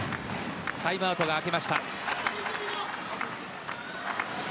タイムアウトが明けました。